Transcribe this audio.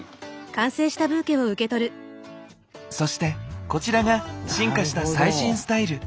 そしてこちらが進化した最新スタイル